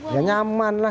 ya nyaman lah